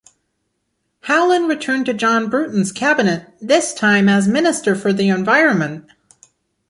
Howlin returned to John Bruton's cabinet, this time as Minister for the Environment.